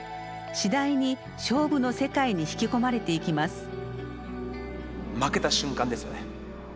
次第に勝負の世界に引き込まれていきます。